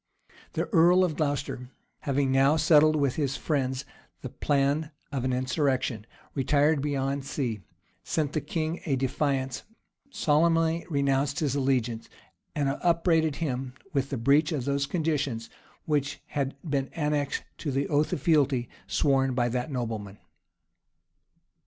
The earl of Glocester, having now settled with his friends the plan of an insurrection, retired beyond sea, sent the king a defiance, solemnly renounced his allegiance, and upbraided him with the breach of those conditions which had been annexed to the oath of fealty sworn by that nobleman.